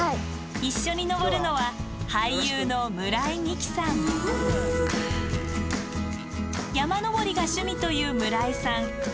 一緒に登るのは山登りが趣味という村井さん。